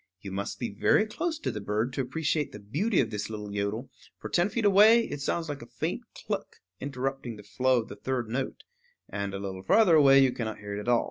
You must be very close to the bird to appreciate the beauty of this little yodel; for ten feet away it sounds like a faint cluck interrupting the flow of the third note; and a little farther away you cannot hear it at all.